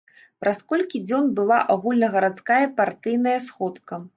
Праз колькі дзён была агульнагарадская партыйная сходка.